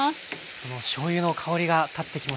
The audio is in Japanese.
このしょうゆの香りが立ってきました。